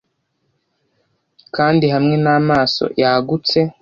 kandi hamwe n'amaso yagutse